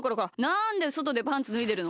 なんでそとでパンツぬいでるの！